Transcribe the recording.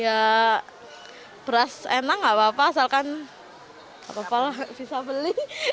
ya beras enak nggak apa apa asalkan nggak apa apa lah bisa beli